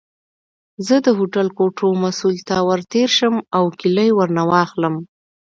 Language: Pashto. زه د هوټل د کوټو مسؤل ته ورتېر شم او کیلۍ ورنه واخلم.